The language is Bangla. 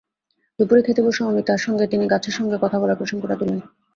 দুপুরে খেতে বসে অমিতার সঙ্গে তিনি গাছের সঙ্গে কথা বলার প্রসঙ্গটা তুললেন।